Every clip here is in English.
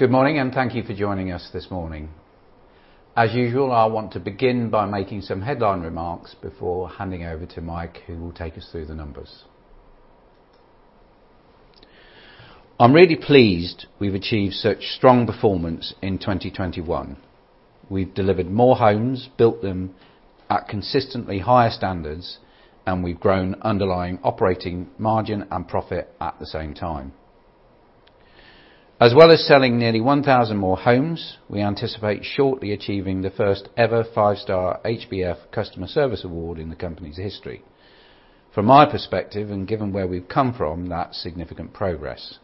Good morning, and thank you for joining us this morning. As usual, I want to begin by making some headline remarks before handing over to Mike, who will take us through the numbers. I'm really pleased we've achieved such strong performance in 2021. We've delivered more homes, built them at consistently higher standards, and we've grown underlying operating margin and profit at the same time. As well as selling nearly 1,000 more homes, we anticipate shortly achieving the first ever five-star HBF Customer Service Award in the company's history. From my perspective, and given where we've come from, that's significant progress.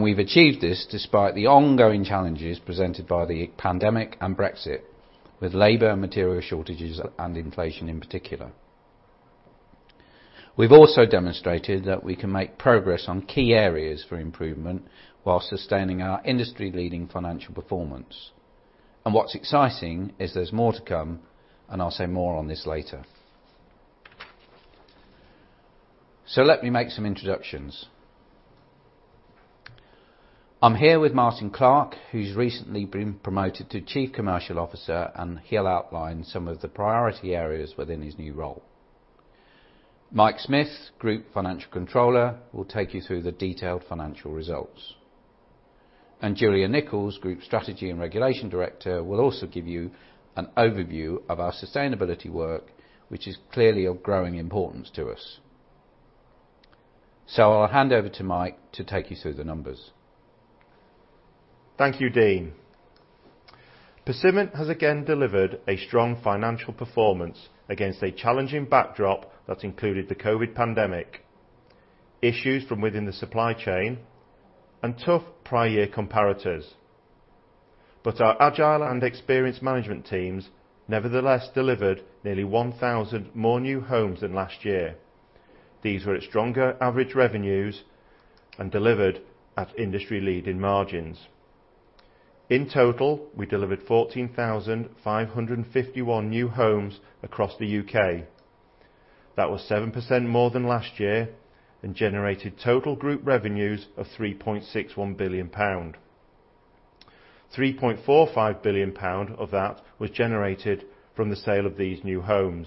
We've achieved this despite the ongoing challenges presented by the pandemic and Brexit with labor and material shortages and inflation in particular. We've also demonstrated that we can make progress on key areas for improvement while sustaining our industry-leading financial performance. What's exciting is there's more to come, and I'll say more on this later. Let me make some introductions. I'm here with Martyn Clark, who's recently been promoted to Chief Commercial Officer, and he'll outline some of the priority areas within his new role. Mike Smith, Group Financial Controller, will take you through the detailed financial results. Julia Nichols, Group Strategy and Regulation Director, will also give you an overview of our sustainability work, which is clearly of growing importance to us. I'll hand over to Mike to take you through the numbers. Thank you, Dean. Persimmon has again delivered a strong financial performance against a challenging backdrop that included the COVID pandemic, issues from within the supply chain, and tough prior year comparators. Our agile and experienced management teams nevertheless delivered nearly 1,000 more new homes than last year. These with stronger average revenues and delivered at industry-leading margins. In total, we delivered 14,551 new homes across the U.K. That was 7% more than last year and generated total group revenues of 3.61 billion pound. 3.45 billion pound of that was generated from the sale of these new homes.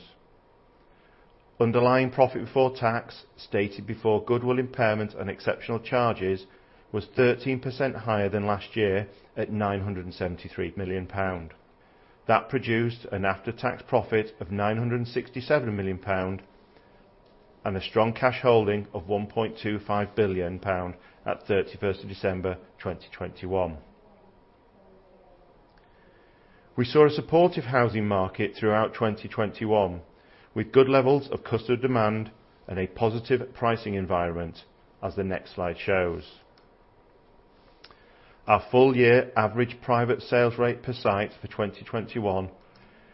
Underlying profit before tax stated before goodwill impairment and exceptional charges was 13% higher than last year at GBP 973 million. That produced an after-tax profit of GBP 967 million and a strong cash holding of GBP 1.25 billion at 31st of December 2021. We saw a supportive housing market throughout 2021, with good levels of customer demand and a positive pricing environment as the next slide shows. Our full year average private sales rate per site for 2021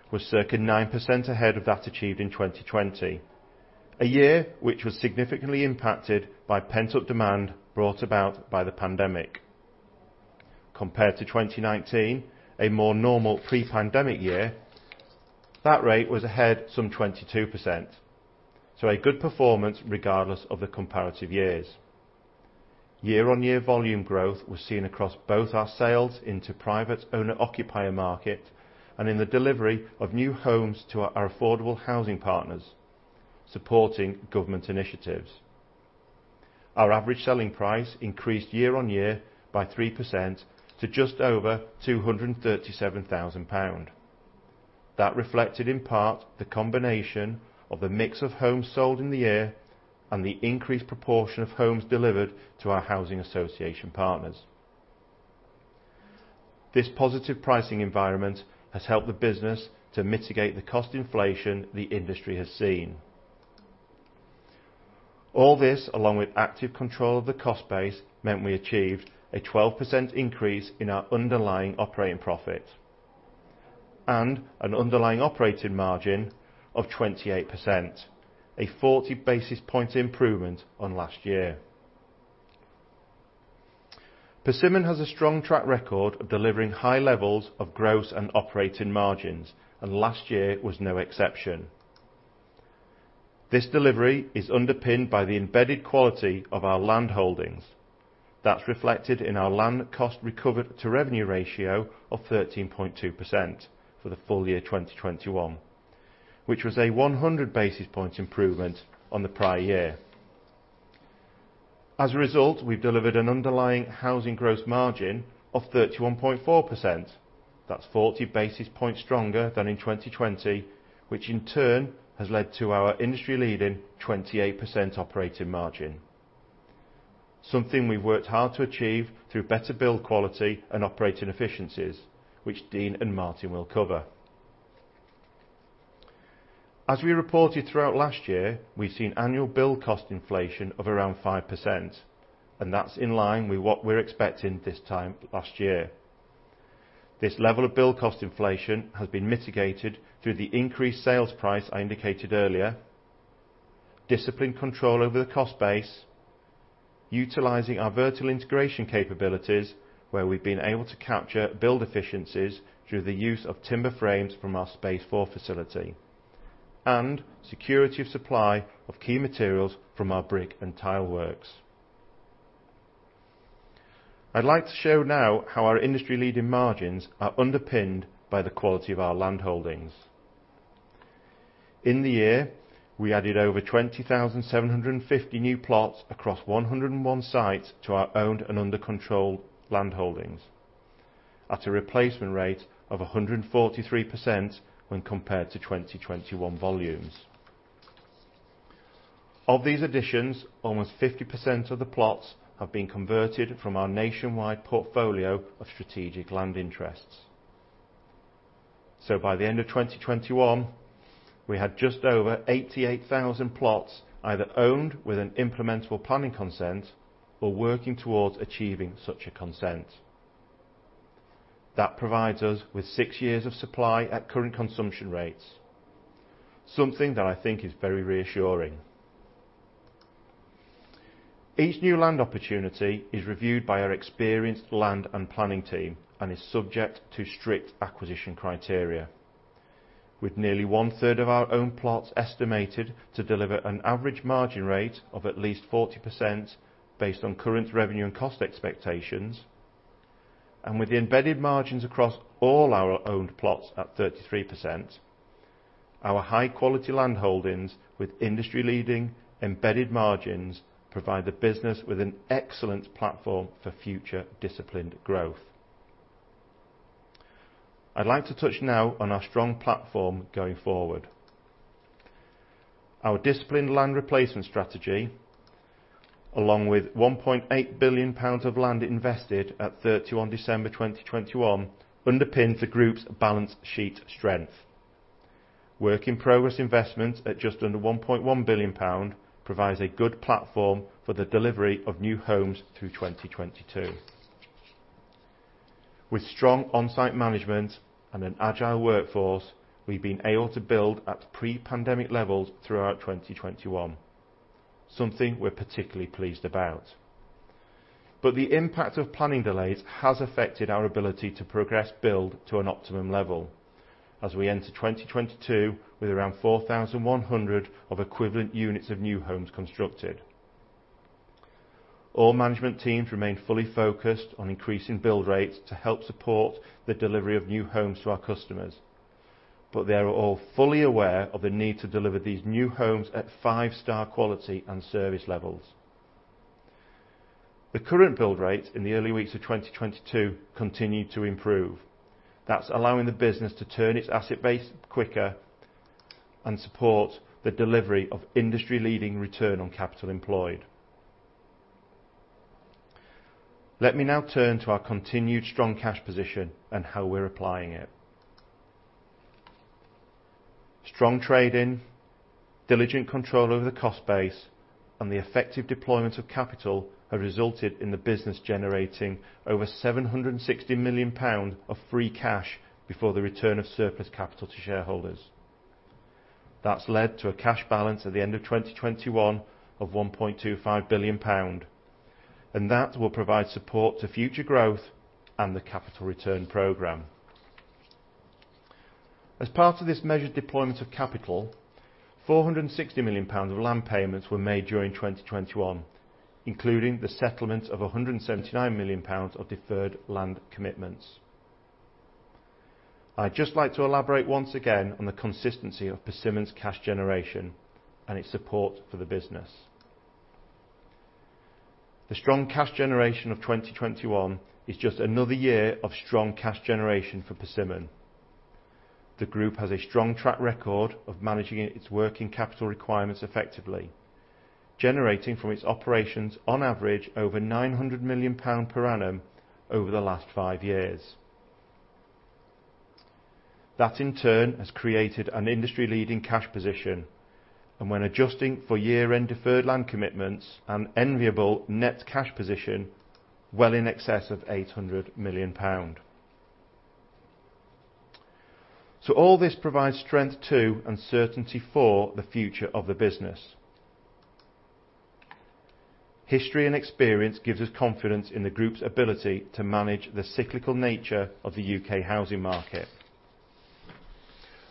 was circa 9% ahead of that achieved in 2020. A year which was significantly impacted by pent-up demand brought about by the pandemic. Compared to 2019, a more normal pre-pandemic year, that rate was ahead some 22%. A good performance regardless of the comparative years. Year-on-year volume growth was seen across both our sales into private owner occupier market and in the delivery of new homes to our affordable housing partners supporting government initiatives. Our average selling price increased year-on-year by 3% to just over 237 thousand pound. That reflected in part the combination of the mix of homes sold in the year and the increased proportion of homes delivered to our housing association partners. This positive pricing environment has helped the business to mitigate the cost inflation the industry has seen. All this, along with active control of the cost base, meant we achieved a 12% increase in our underlying operating profit and an underlying operating margin of 28%. A 40 basis point improvement on last year. Persimmon has a strong track record of delivering high levels of gross and operating margins, and last year was no exception. This delivery is underpinned by the embedded quality of our landholdings. That's reflected in our land cost recovered to revenue ratio of 13.2% for the full year 2021, which was a 100 basis point improvement on the prior year. As a result, we've delivered an underlying housing gross margin of 31.4%. That's 40 basis points stronger than in 2020, which in turn has led to our industry leading 28% operating margin. Something we've worked hard to achieve through better build quality and operating efficiencies, which Dean and Martyn will cover. As we reported throughout last year, we've seen annual build cost inflation of around 5%, and that's in line with what we're expecting this time last year. This level of bill cost inflation has been mitigated through the increased sales price I indicated earlier, disciplined control over the cost base, utilizing our vertical integration capabilities where we've been able to capture build efficiencies through the use of timber frames from our Space4 facility. Security of supply of key materials from our brick and tile works. I'd like to show now how our industry-leading margins are underpinned by the quality of our land holdings. In the year, we added over 20,750 new plots across 101 sites to our owned and under control land holdings, at a replacement rate of 143% when compared to 2021 volumes. Of these additions, almost 50% of the plots have been converted from our nationwide portfolio of strategic land interests. By the end of 2021, we had just over 88,000 plots either owned with an implementable planning consent or working towards achieving such a consent. That provides us with six years of supply at current consumption rates, something that I think is very reassuring. Each new land opportunity is reviewed by our experienced land and planning team and is subject to strict acquisition criteria. With nearly one-third of our own plots estimated to deliver an average margin rate of at least 40% based on current revenue and cost expectations, and with the embedded margins across all our owned plots at 33%, our high-quality land holdings with industry-leading embedded margins provide the business with an excellent platform for future disciplined growth. I'd like to touch now on our strong platform going forward. Our disciplined land replacement strategy, along with 1.8 billion pounds of land invested at 31 December 2021, underpin the group's balance sheet strength. Work-in-progress investments at just under 1.1 billion pound provides a good platform for the delivery of new homes through 2022. With strong on-site management and an agile workforce, we've been able to build at pre-pandemic levels throughout 2021, something we're particularly pleased about. The impact of planning delays has affected our ability to progress build to an optimum level. As we enter 2022 with around 4,100 equivalent units of new homes constructed. All management teams remain fully focused on increasing build rates to help support the delivery of new homes to our customers, but they are all fully aware of the need to deliver these new homes at five-star quality and service levels. The current build rates in the early weeks of 2022 continue to improve. That's allowing the business to turn its asset base quicker and support the delivery of industry-leading return on capital employed. Let me now turn to our continued strong cash position and how we're applying it. Strong trading, diligent control over the cost base, and the effective deployment of capital have resulted in the business generating over 760 million pounds of free cash before the return of surplus capital to shareholders. That's led to a cash balance at the end of 2021 of 1.25 billion pound, and that will provide support to future growth and the capital return program. As part of this measured deployment of capital, 460 million of land payments were made during 2021, including the settlement of 179 million of deferred land commitments. I'd just like to elaborate once again on the consistency of Persimmon's cash generation and its support for the business. The strong cash generation of 2021 is just another year of strong cash generation for Persimmon. The group has a strong track record of managing its working capital requirements effectively, generating from its operations on average over 900 million per annum over the last five years. That in turn has created an industry-leading cash position, and when adjusting for year-end deferred land commitments, an enviable net cash position well in excess of 800 million. All this provides strength to and certainty for the future of the business. History and experience gives us confidence in the group's ability to manage the cyclical nature of the U.K. housing market.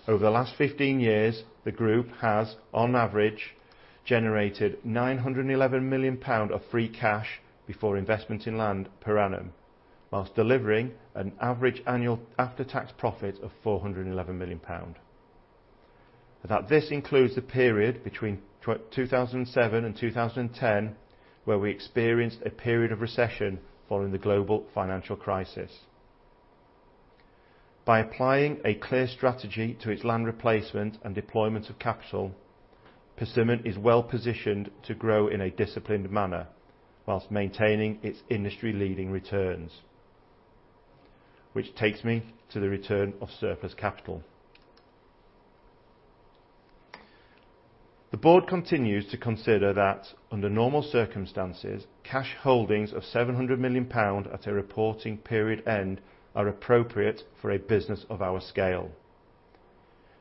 Over the last 15 years, the group has on average generated 911 million pound of free cash before investment in land per annum, whilst delivering an average annual after-tax profit of 411 million pound. That this includes the period between 2007 and 2010 where we experienced a period of recession following the global financial crisis. By applying a clear strategy to its land replacement and deployment of capital, Persimmon is well positioned to grow in a disciplined manner whilst maintaining its industry-leading returns, which takes me to the return of surplus capital. The board continues to consider that under normal circumstances, cash holdings of 700 million at a reporting period end are appropriate for a business of our scale.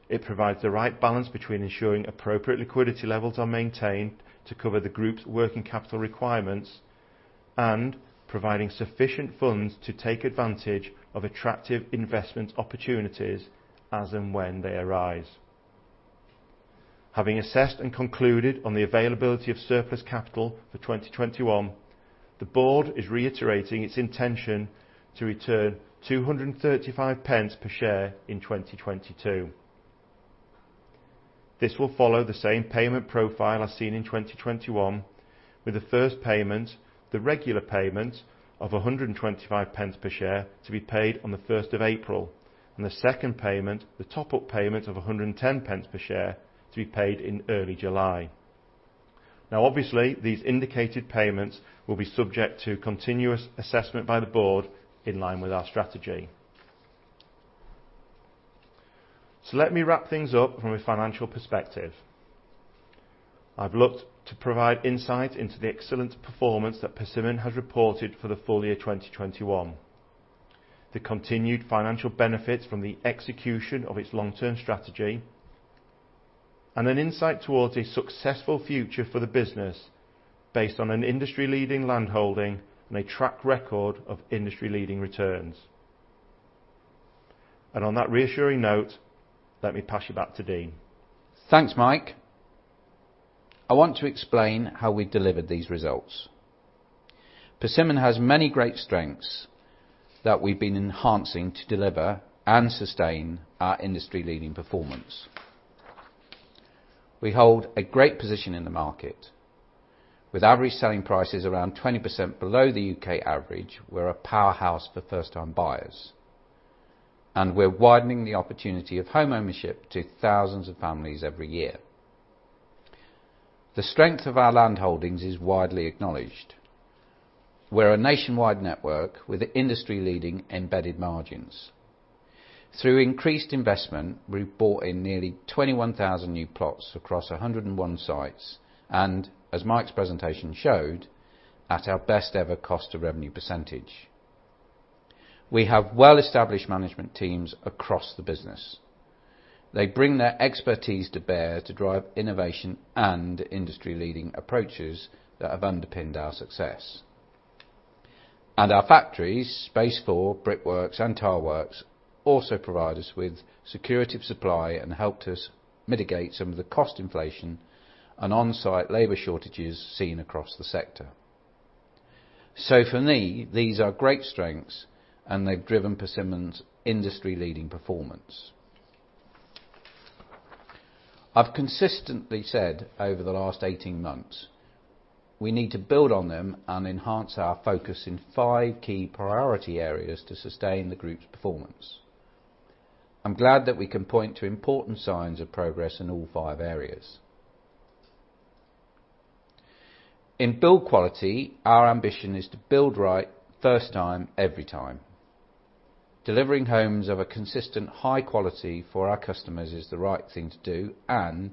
It provides the right balance between ensuring appropriate liquidity levels are maintained to cover the group's working capital requirements and providing sufficient funds to take advantage of attractive investment opportunities as and when they arise. Having assessed and concluded on the availability of surplus capital for 2021, the board is reiterating its intention to return 235 pence per share in 2022. This will follow the same payment profile as seen in 2021 with the first payment, the regular payment of 125 pence per share to be paid on April 1, and the second payment, the top-up payment of 110 pence per share to be paid in early July. Now obviously, these indicated payments will be subject to continuous assessment by the board in line with our strategy. Let me wrap things up from a financial perspective. I've looked to provide insight into the excellent performance that Persimmon has reported for the full year 2021, the continued financial benefits from the execution of its long-term strategy, and an insight towards a successful future for the business based on an industry-leading landholding and a track record of industry-leading returns. On that reassuring note, let me pass you back to Dean. Thanks, Mike. I want to explain how we delivered these results. Persimmon has many great strengths that we've been enhancing to deliver and sustain our industry-leading performance. We hold a great position in the market. With average selling prices around 20% below the U.K. average, we're a powerhouse for first-time buyers, and we're widening the opportunity of homeownership to thousands of families every year. The strength of our landholdings is widely acknowledged. We're a nationwide network with industry-leading embedded margins. Through increased investment, we bought in nearly 21,000 new plots across 101 sites, and as Mike's presentation showed, at our best ever cost to revenue percentage. We have well-established management teams across the business. They bring their expertise to bear to drive innovation and industry-leading approaches that have underpinned our success. Our factories, Space4, Brickworks, and Tileworks also provide us with security of supply and helped us mitigate some of the cost inflation and on-site labor shortages seen across the sector. For me, these are great strengths and they've driven Persimmon's industry-leading performance. I've consistently said over the last 18 months, we need to build on them and enhance our focus in five key priority areas to sustain the group's performance. I'm glad that we can point to important signs of progress in all five areas. In build quality, our ambition is to build right first time, every time. Delivering homes of a consistent high quality for our customers is the right thing to do and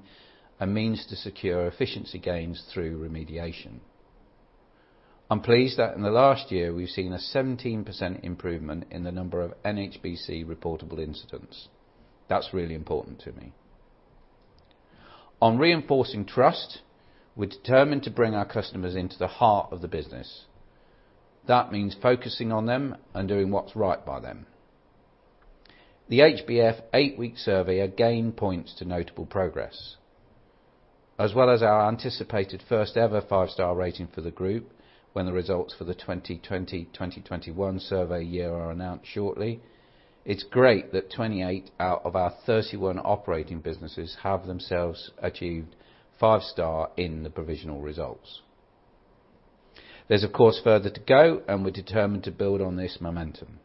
a means to secure efficiency gains through remediation. I'm pleased that in the last year we've seen a 17% improvement in the number of NHBC reportable incidents. That's really important to me. On reinforcing trust, we're determined to bring our customers into the heart of the business. That means focusing on them and doing what's right by them. The HBF eight-week survey again points to notable progress, as well as our anticipated first-ever five-star rating for the group when the results for the 2020, 2021 survey year are announced shortly. It's great that 28 out of our 31 operating businesses have themselves achieved five-star in the provisional results. There's of course further to go and we're determined to build on this momentum.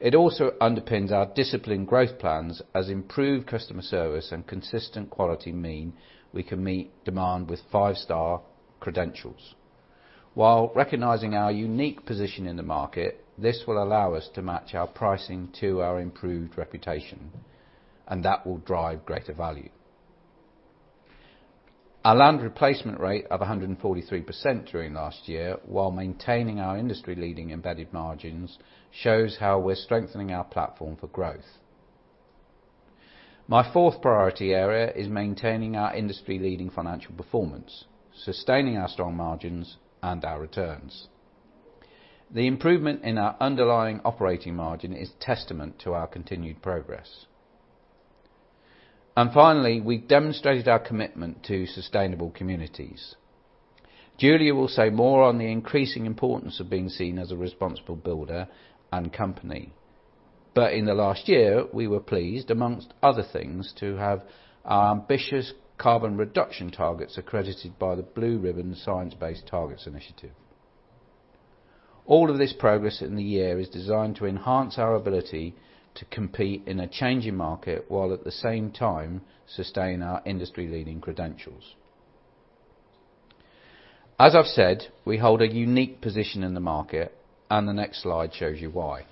It also underpins our disciplined growth plans as improved customer service and consistent quality mean we can meet demand with five-star credentials. While recognizing our unique position in the market, this will allow us to match our pricing to our improved reputation, and that will drive greater value. Our land replacement rate of 143% during last year, while maintaining our industry-leading embedded margins, shows how we're strengthening our platform for growth. My fourth priority area is maintaining our industry-leading financial performance, sustaining our strong margins and our returns. The improvement in our underlying operating margin is testament to our continued progress. Finally, we demonstrated our commitment to sustainable communities. Julia will say more on the increasing importance of being seen as a responsible builder and company. In the last year, we were pleased, among other things, to have our ambitious carbon reduction targets accredited by the Science Based Targets Initiative. All of this progress in the year is designed to enhance our ability to compete in a changing market, while at the same time, sustain our industry-leading credentials. As I've said, we hold a unique position in the market, and the next slide shows you why.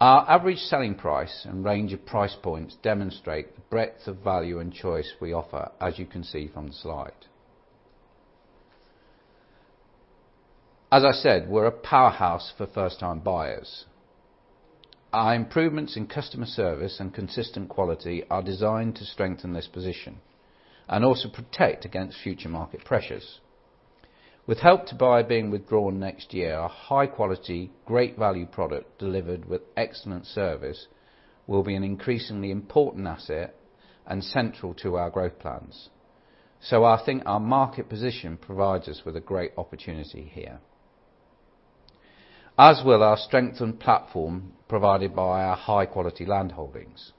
Our average selling price and range of price points demonstrate the breadth of value and choice we offer, as you can see from the slide. As I said, we're a powerhouse for first-time buyers. Our improvements in customer service and consistent quality are designed to strengthen this position and also protect against future market pressures. With Help to Buy being withdrawn next year, our high quality, great value product delivered with excellent service will be an increasingly important asset and central to our growth plans. I think our market position provides us with a great opportunity here, as will our strengthened platform provided by our high quality land holdings.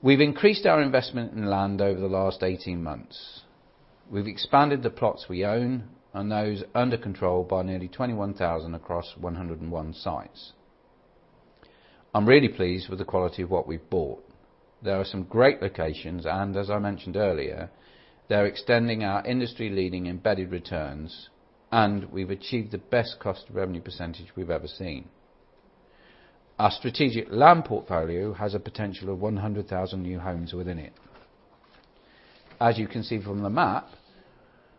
We've increased our investment in land over the last 18 months. We've expanded the plots we own and those under control by nearly 21,000 across 101 sites. I'm really pleased with the quality of what we've bought. There are some great locations, and as I mentioned earlier, they're extending our industry-leading embedded returns, and we've achieved the best cost revenue percentage we've ever seen. Our strategic land portfolio has a potential of 100,000 new homes within it. As you can see from the map,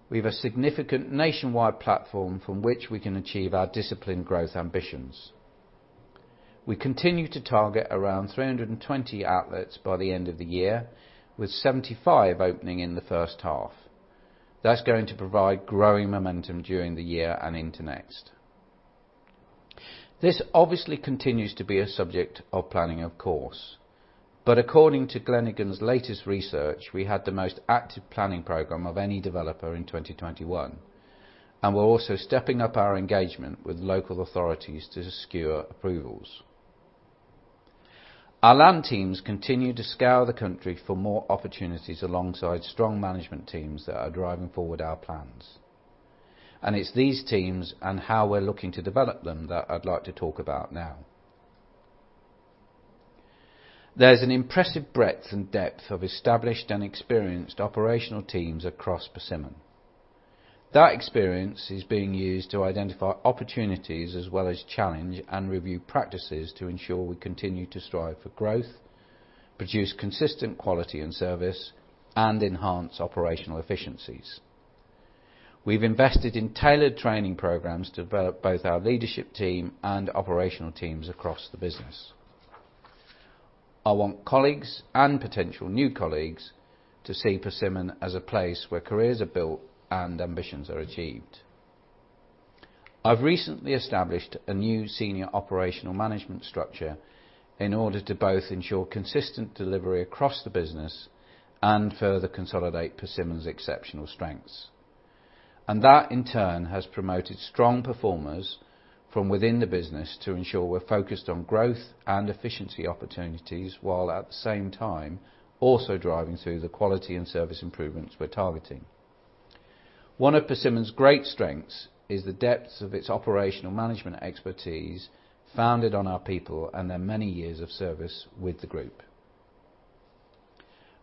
we have a significant nationwide platform from which we can achieve our disciplined growth ambitions. We continue to target around 320 outlets by the end of the year, with 75 opening in the first half. That's going to provide growing momentum during the year and into next. This obviously continues to be a subject of planning, of course. According to Glenigan's latest research, we had the most active planning program of any developer in 2021, and we're also stepping up our engagement with local authorities to secure approvals. Our land teams continue to scour the country for more opportunities alongside strong management teams that are driving forward our plans. It's these teams and how we're looking to develop them that I'd like to talk about now. There's an impressive breadth and depth of established and experienced operational teams across Persimmon. That experience is being used to identify opportunities as well as challenge and review practices to ensure we continue to strive for growth, produce consistent quality and service, and enhance operational efficiencies. We've invested in tailored training programs to develop both our leadership team and operational teams across the business. I want colleagues and potential new colleagues to see Persimmon as a place where careers are built and ambitions are achieved. I've recently established a new senior operational management structure in order to both ensure consistent delivery across the business and further consolidate Persimmon's exceptional strengths. That, in turn, has promoted strong performers from within the business to ensure we're focused on growth and efficiency opportunities, while at the same time, also driving through the quality and service improvements we're targeting. One of Persimmon's great strengths is the depths of its operational management expertise founded on our people and their many years of service with the group.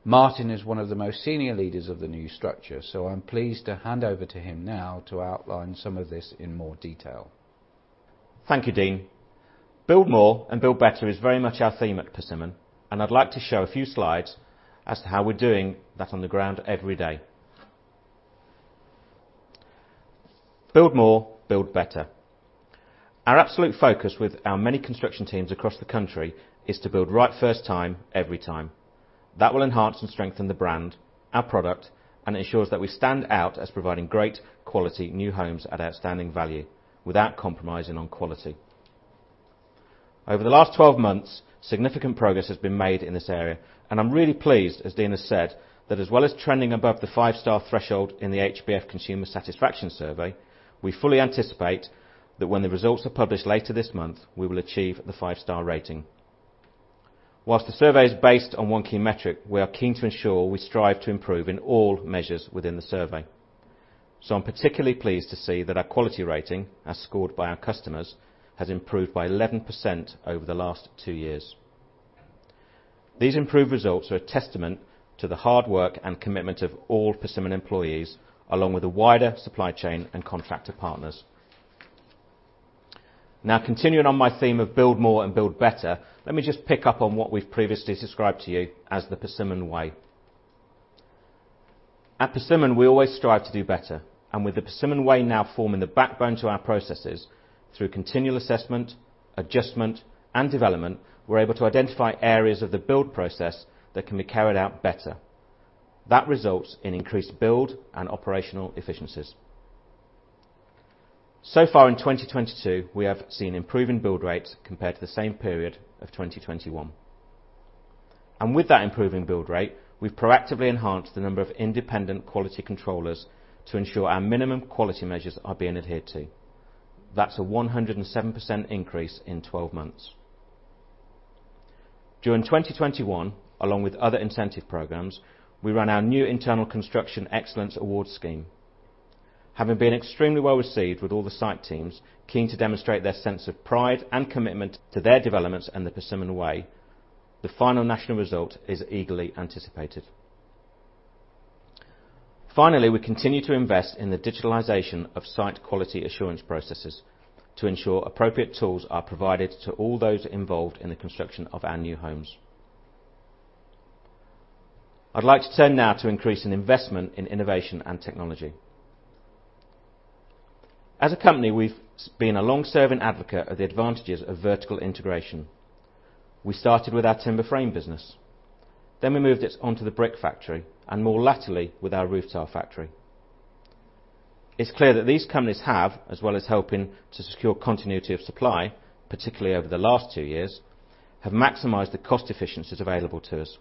Martyn is one of the most senior leaders of the new structure, so I'm pleased to hand over to him now to outline some of this in more detail. Thank you, Dean. Build more and build better is very much our theme at Persimmon, and I'd like to show a few slides as to how we're doing that on the ground every day. Build more, build better. Our absolute focus with our many construction teams across the country is to build right first time, every time. That will enhance and strengthen the brand, our product, and ensures that we stand out as providing great quality new homes at outstanding value without compromising on quality. Over the last 12 months, significant progress has been made in this area, and I'm really pleased, as Dean has said, that as well as trending above the 5-star threshold in the HBF Customer Satisfaction Survey, we fully anticipate that when the results are published later this month, we will achieve the 5-star rating. While the survey is based on one key metric, we are keen to ensure we strive to improve in all measures within the survey. I'm particularly pleased to see that our quality rating, as scored by our customers, has improved by 11% over the last two years. These improved results are a testament to the hard work and commitment of all Persimmon employees, along with the wider supply chain and contractor partners. Now, continuing on my theme of build more and build better, let me just pick up on what we've previously described to you as the Persimmon Way. At Persimmon, we always strive to do better, and with the Persimmon Way now forming the backbone to our processes through continual assessment, adjustment, and development, we're able to identify areas of the build process that can be carried out better. That results in increased build and operational efficiencies. So far in 2022, we have seen improving build rates compared to the same period of 2021. With that improving build rate, we've proactively enhanced the number of independent quality controllers to ensure our minimum quality measures are being adhered to. That's a 107% increase in 12 months. During 2021, along with other incentive programs, we ran our new internal Construction Excellence Award scheme. Having been extremely well received with all the site teams keen to demonstrate their sense of pride and commitment to their developments and the Persimmon Way, the final national result is eagerly anticipated. Finally, we continue to invest in the digitalization of site quality assurance processes to ensure appropriate tools are provided to all those involved in the construction of our new homes. I'd like to turn now to the increase in investment in innovation and technology. As a company, we've been a long-serving advocate of the advantages of vertical integration. We started with our timber frame business, then we moved it onto the Brickworks, and more latterly with our Tileworks. It's clear that these companies have, as well as helping to secure continuity of supply, particularly over the last two years, have maximized the cost efficiencies available to us.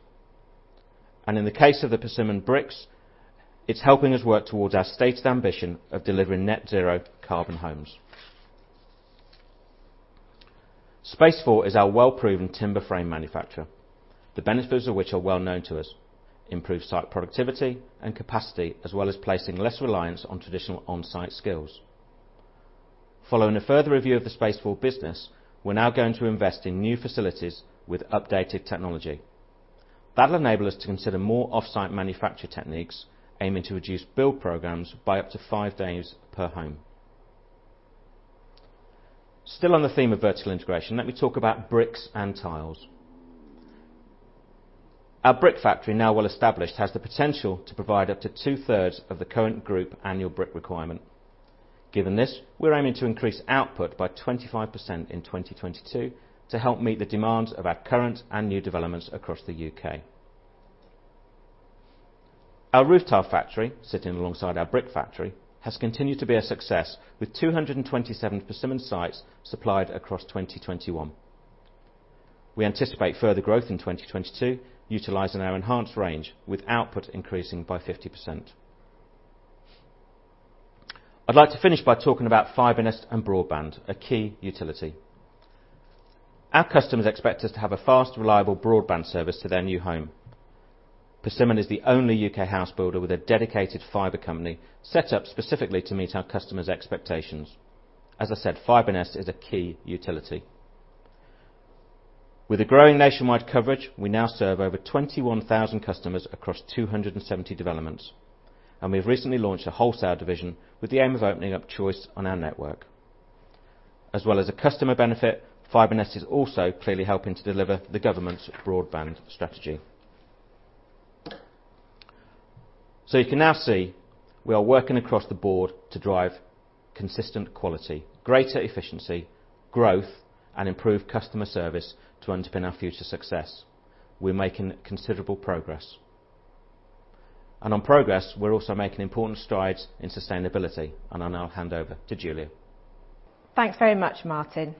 In the case of the Brickworks, it's helping us work towards our stated ambition of delivering net zero carbon homes. Space4 is our well-proven timber frame manufacturer, the benefits of which are well known to us, improve site productivity and capacity, as well as placing less reliance on traditional on-site skills. Following a further review of the Space4 business, we're now going to invest in new facilities with updated technology. That'll enable us to consider more off-site manufacture techniques, aiming to reduce build programs by up to 5 days per home. Still on the theme of vertical integration, let me talk about bricks and tiles. Our brick factory, now well established, has the potential to provide up to two-thirds of the current group annual brick requirement. Given this, we're aiming to increase output by 25% in 2022 to help meet the demands of our current and new developments across the U.K. Our roof tile factory, sitting alongside our brick factory, has continued to be a success with 227 Persimmon sites supplied across 2021. We anticipate further growth in 2022, utilizing our enhanced range with output increasing by 50%. I'd like to finish by talking about FibreNest and broadband, a key utility. Our customers expect us to have a fast, reliable broadband service to their new home. Persimmon is the only U.K. house builder with a dedicated fiber company set up specifically to meet our customers' expectations. As I said, FibreNest is a key utility. With a growing nationwide coverage, we now serve over 21,000 customers across 270 developments, and we've recently launched a wholesale division with the aim of opening up choice on our network. As well as a customer benefit, FibreNest is also clearly helping to deliver the government's broadband strategy. You can now see we are working across the board to drive consistent quality, greater efficiency, growth, and improved customer service to underpin our future success. We're making considerable progress. On progress, we're also making important strides in sustainability, and I now hand over to Julia. Thanks very much, Martyn.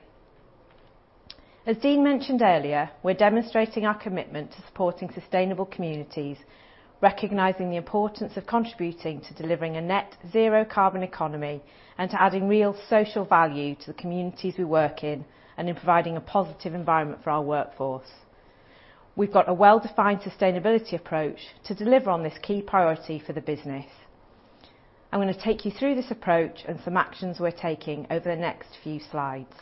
As Dean mentioned earlier, we're demonstrating our commitment to supporting sustainable communities, recognizing the importance of contributing to delivering a net zero carbon economy and to adding real social value to the communities we work in and in providing a positive environment for our workforce. We've got a well-defined sustainability approach to deliver on this key priority for the business. I'm gonna take you through this approach and some actions we're taking over the next few slides.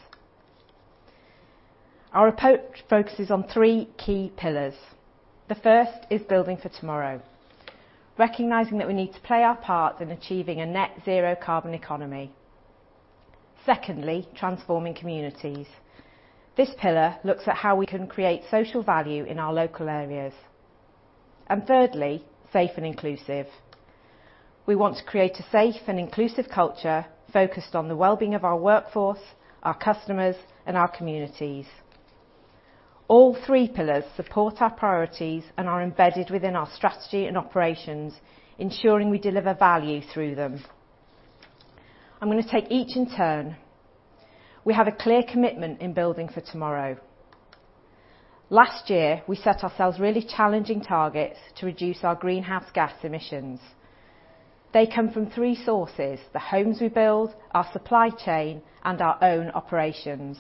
Our approach focuses on three key pillars. The first is building for tomorrow, recognizing that we need to play our part in achieving a net zero carbon economy. Secondly, transforming communities. This pillar looks at how we can create social value in our local areas. Thirdly, safe and inclusive. We want to create a safe and inclusive culture focused on the well-being of our workforce, our customers, and our communities. All three pillars support our priorities and are embedded within our strategy and operations, ensuring we deliver value through them. I'm gonna take each in turn. We have a clear commitment in building for tomorrow. Last year, we set ourselves really challenging targets to reduce our greenhouse gas emissions. They come from three sources, the homes we build, our supply chain, and our own operations.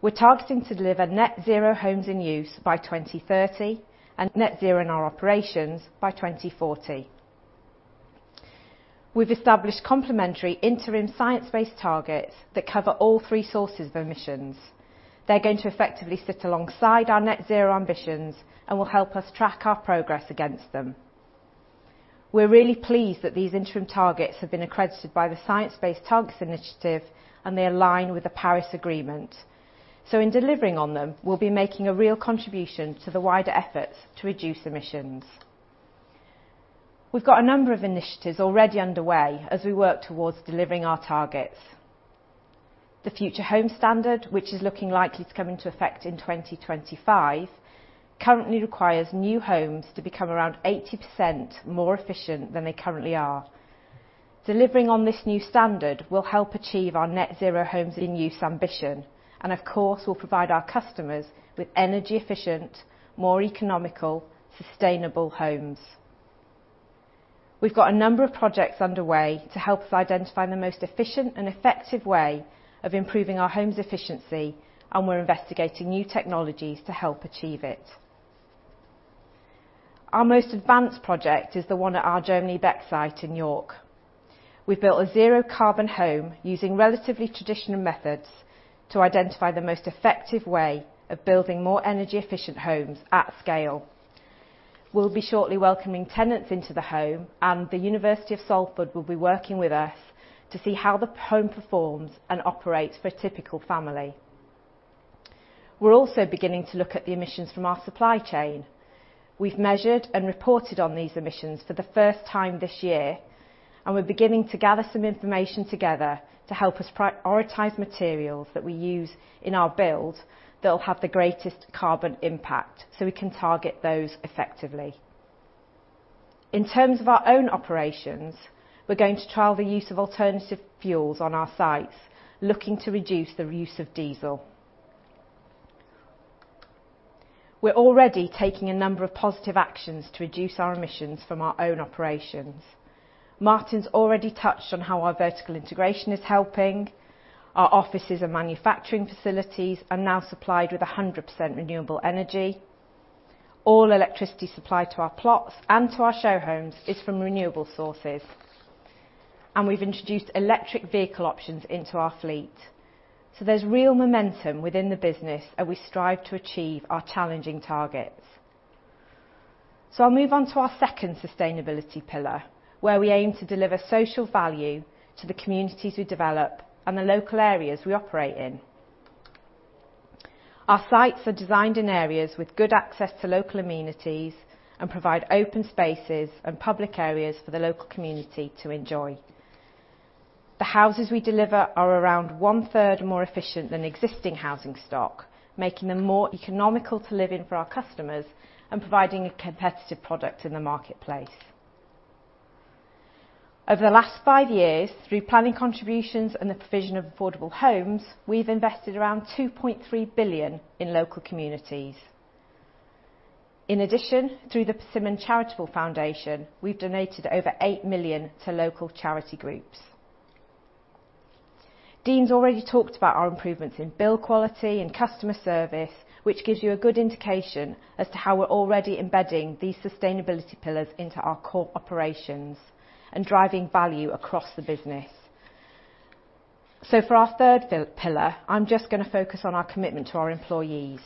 We're targeting to deliver net zero homes in use by 2030 and net zero in our operations by 2040. We've established complementary interim science-based targets that cover all three sources of emissions. They're going to effectively sit alongside our net zero ambitions and will help us track our progress against them. We're really pleased that these interim targets have been accredited by the Science Based Targets initiative, and they align with the Paris Agreement. In delivering on them, we'll be making a real contribution to the wider efforts to reduce emissions. We've got a number of initiatives already underway as we work towards delivering our targets. The Future Homes Standard, which is looking likely to come into effect in 2025, currently requires new homes to become around 80% more efficient than they currently are. Delivering on this new standard will help achieve our net zero homes in use ambition and, of course, will provide our customers with energy efficient, more economical, sustainable homes. We've got a number of projects underway to help us identify the most efficient and effective way of improving our homes' efficiency, and we're investigating new technologies to help achieve it. Our most advanced project is the one at our Germany Beck site in York. We've built a zero carbon home using relatively traditional methods to identify the most effective way of building more energy efficient homes at scale. We'll be shortly welcoming tenants into the home, and the University of Salford will be working with us to see how the home performs and operates for a typical family. We're also beginning to look at the emissions from our supply chain. We've measured and reported on these emissions for the first time this year, and we're beginning to gather some information together to help us prioritize materials that we use in our builds that will have the greatest carbon impact, so we can target those effectively. In terms of our own operations, we're going to trial the use of alternative fuels on our sites, looking to reduce the use of diesel. We're already taking a number of positive actions to reduce our emissions from our own operations. Martyn's already touched on how our vertical integration is helping. Our offices and manufacturing facilities are now supplied with 100% renewable energy. All electricity supplied to our plots and to our show homes is from renewable sources. We've introduced electric vehicle options into our fleet. There's real momentum within the business as we strive to achieve our challenging targets. I'll move on to our second sustainability pillar, where we aim to deliver social value to the communities we develop and the local areas we operate in. Our sites are designed in areas with good access to local amenities and provide open spaces and public areas for the local community to enjoy. The houses we deliver are around one-third more efficient than existing housing stock, making them more economical to live in for our customers and providing a competitive product in the marketplace. Over the last five years, through planning contributions and the provision of affordable homes, we've invested around 2.3 billion in local communities. In addition, through the Persimmon Charitable Foundation, we've donated over 8 million to local charity groups. Dean's already talked about our improvements in build quality and customer service, which gives you a good indication as to how we're already embedding these sustainability pillars into our core operations and driving value across the business. For our third pillar, I'm just gonna focus on our commitment to our employees.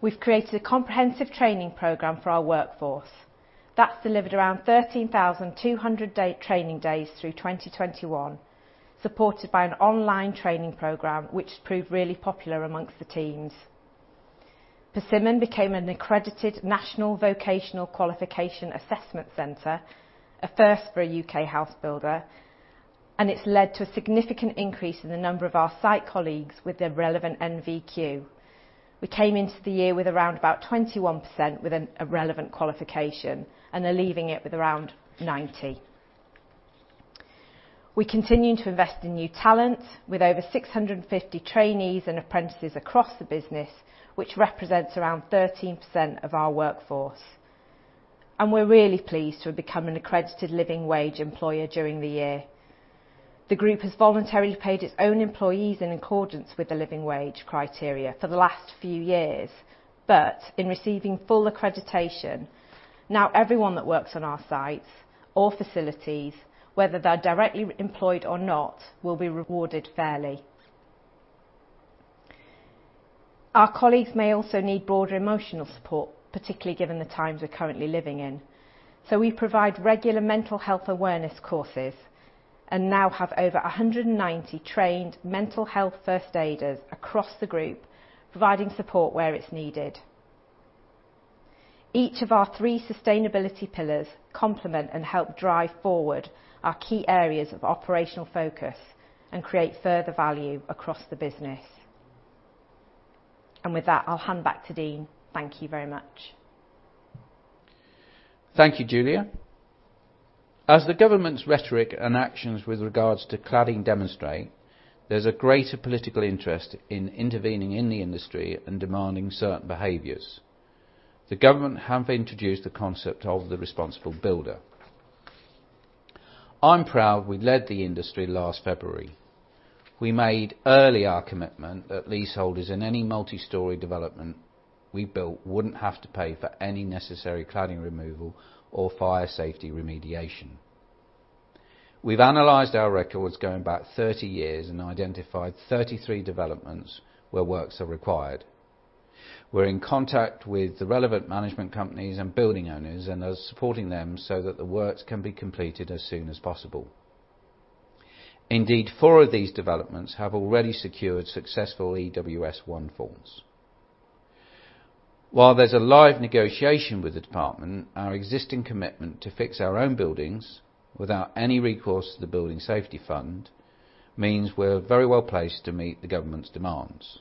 We've created a comprehensive training program for our workforce. That's delivered around 13,200 training days through 2021, supported by an online training program which has proved really popular among the teams. Persimmon became an accredited national vocational qualification assessment center, a first for a U.K. house builder, and it's led to a significant increase in the number of our site colleagues with a relevant NVQ. We came into the year with around about 21% with a relevant qualification and are leaving it with around 90%. We continue to invest in new talent with over 650 trainees and apprentices across the business, which represents around 13% of our workforce. We're really pleased to have become an accredited Living Wage Employer during the year. The group has voluntarily paid its own employees in accordance with the living wage criteria for the last few years. First, in receiving full accreditation, now everyone that works on our sites or facilities, whether they're directly employed or not, will be rewarded fairly. Our colleagues may also need broader emotional support, particularly given the times we're currently living in. We provide regular mental health awareness courses and now have over 190 trained mental health first aiders across the group, providing support where it's needed. Each of our three sustainability pillars complement and help drive forward our key areas of operational focus and create further value across the business. With that, I'll hand back to Dean. Thank you very much. Thank you, Julia. As the government's rhetoric and actions with regards to cladding demonstrate, there's a greater political interest in intervening in the industry and demanding certain behaviors. The government have introduced the concept of the responsible builder. I'm proud we led the industry last February. We made early our commitment that leaseholders in any multi-story development we built wouldn't have to pay for any necessary cladding removal or fire safety remediation. We've analyzed our records going back 30 years and identified 33 developments where works are required. We're in contact with the relevant management companies and building owners and are supporting them so that the works can be completed as soon as possible. Indeed, four of these developments have already secured successful EWS1 forms. While there's a live negotiation with the department, our existing commitment to fix our own buildings without any recourse to the Building Safety Fund means we're very well placed to meet the government's demands.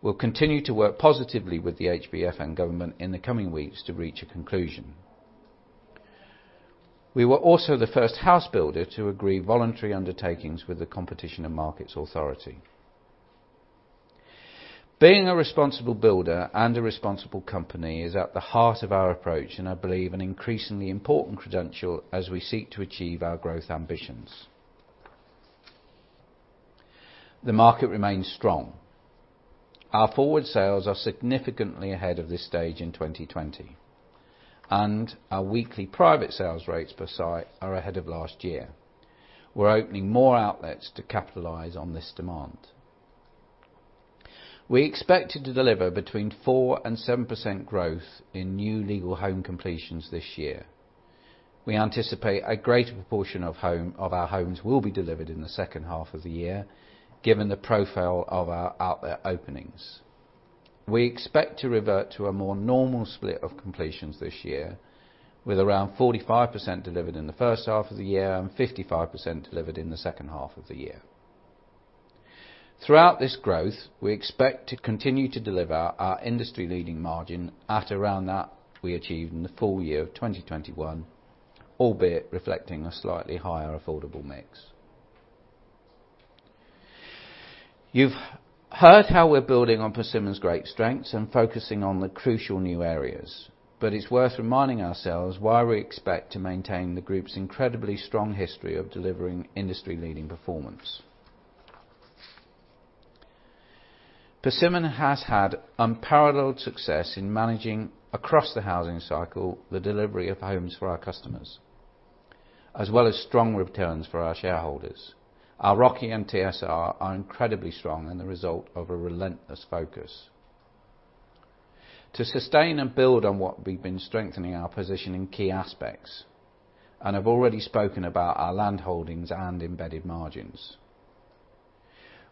We'll continue to work positively with the HBF and government in the coming weeks to reach a conclusion. We were also the first house builder to agree voluntary undertakings with the Competition and Markets Authority. Being a responsible builder and a responsible company is at the heart of our approach, and I believe an increasingly important credential as we seek to achieve our growth ambitions. The market remains strong. Our forward sales are significantly ahead of this stage in 2020. Our weekly private sales rates per site are ahead of last year. We're opening more outlets to capitalize on this demand. We expected to deliver between 4%-7% growth in new legal home completions this year. We anticipate a greater proportion of our homes will be delivered in the second half of the year, given the profile of our outlet openings. We expect to revert to a more normal split of completions this year, with around 45% delivered in the first half of the year and 55% delivered in the second half of the year. Throughout this growth, we expect to continue to deliver our industry-leading margin at around that we achieved in the full year of 2021, albeit reflecting a slightly higher affordable mix. You've heard how we're building on Persimmon's great strengths and focusing on the crucial new areas, but it's worth reminding ourselves why we expect to maintain the group's incredibly strong history of delivering industry-leading performance. Persimmon has had unparalleled success in managing across the housing cycle the delivery of homes for our customers, as well as strong returns for our shareholders. Our ROCE and TSR are incredibly strong and the result of a relentless focus. To sustain and build on what we've been strengthening our position in key aspects, and I've already spoken about our land holdings and embedded margins.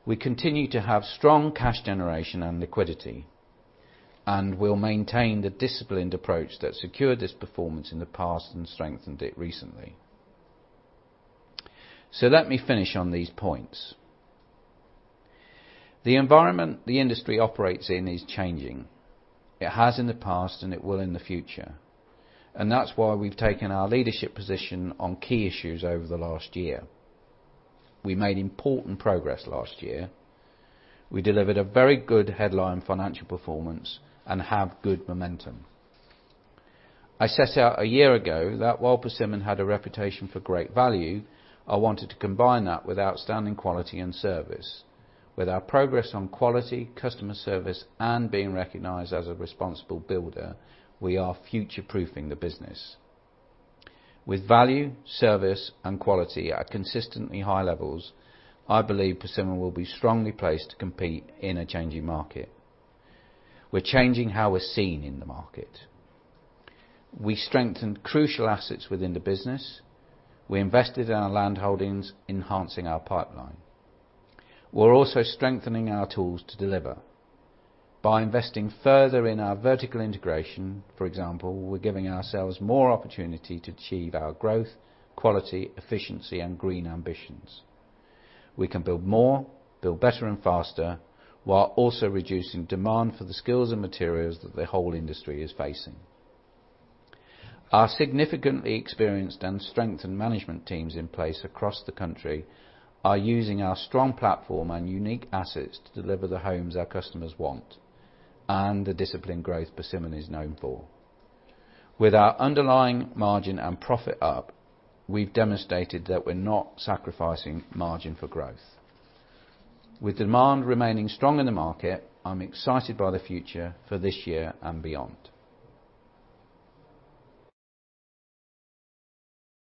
We continue to have strong cash generation and liquidity, and we'll maintain the disciplined approach that secured this performance in the past and strengthened it recently. Let me finish on these points. The environment the industry operates in is changing. It has in the past and it will in the future, and that's why we've taken our leadership position on key issues over the last year. We made important progress last year. We delivered a very good headline financial performance and have good momentum. I set out a year ago that while Persimmon had a reputation for great value, I wanted to combine that with outstanding quality and service. With our progress on quality, customer service, and being recognized as a responsible builder, we are future-proofing the business. With value, service, and quality at consistently high levels, I believe Persimmon will be strongly placed to compete in a changing market. We're changing how we're seen in the market. We strengthened crucial assets within the business. We invested in our land holdings, enhancing our pipeline. We're also strengthening our tools to deliver. By investing further in our vertical integration, for example, we're giving ourselves more opportunity to achieve our growth, quality, efficiency, and green ambitions. We can build more, build better and faster, while also reducing demand for the skills and materials that the whole industry is facing. Our significantly experienced and strengthened management teams in place across the country are using our strong platform and unique assets to deliver the homes our customers want and the disciplined growth Persimmon is known for. With our underlying margin and profit up, we've demonstrated that we're not sacrificing margin for growth. With demand remaining strong in the market, I'm excited by the future for this year and beyond.